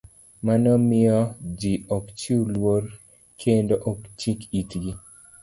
Mano miyo ji ok chiw luor kendo ok chik itgi